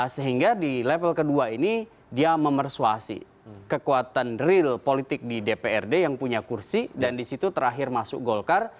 sehingga di level kedua ini dia memersuasi kekuatan real politik di dprd yang punya kursi dan disitu terakhir masuk golkar